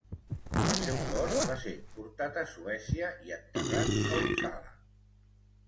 El seu cos va ser portat a Suècia i enterrat a Uppsala.